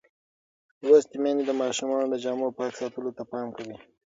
لوستې میندې د ماشومانو د جامو پاک ساتلو ته پام کوي.